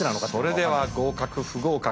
それでは合格不合格の発表